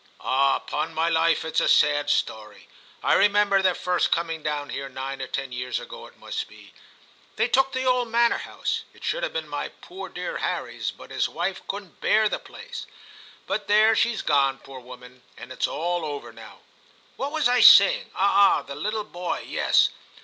* Ah ! 'pon my life, it's a sad story. I remember their first coming down here, nine or ten years ago it must be. They took the old manor house, — it should have been my poor dear Harry's, but his wife couldn't bear the place ; but there, she's gone, poor woman, and it's all over now. What was I saying ? Ah! the little boy. Yes.